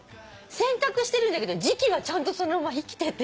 洗濯してるんだけど磁気はちゃんとそのまま生きてて。